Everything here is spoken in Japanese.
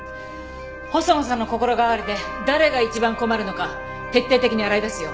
細野さんの心変わりで誰が一番困るのか徹底的に洗い出すよ。